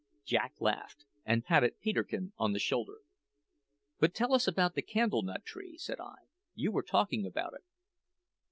Jack laughed, and patted Peterkin on the shoulder. "But tell us about the candle nut tree," said I. "You were talking about it."